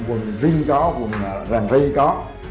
còn vinh có còn gần vây có